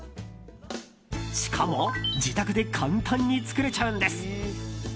しかも自宅で簡単に作れちゃうんです。